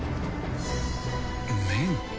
麺？